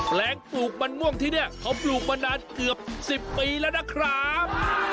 แปลงปลูกมันม่วงที่นี่เขาปลูกมานานเกือบ๑๐ปีแล้วนะครับ